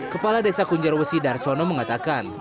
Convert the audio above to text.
kepala desa kunjoro wesi darsono mengatakan